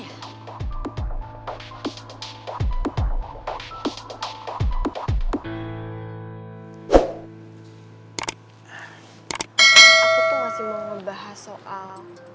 aku tuh masih mau ngebahas soal